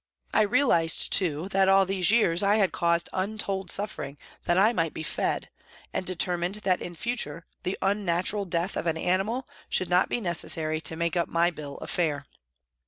I realised, too, that all these years I had caused untold suffering that I might be fed, and determined that in future the unnatural death of an animal should not be necessary to make up my bill of fare.